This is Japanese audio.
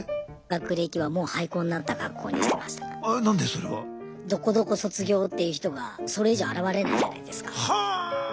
それは。どこどこ卒業っていう人がそれ以上現れないじゃないですか。